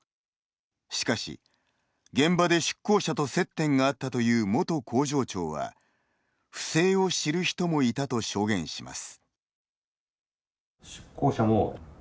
しかし、現場で出向者と接点があったという元工場長は不正を知る人もいたと証言します。